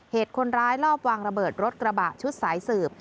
เหตุคนร้ายลอบวางระเบิดรถกระบะชุดสายสืบ